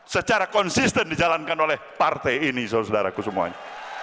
secara konsisten dijalankan oleh partai ini saudara saudaraku semuanya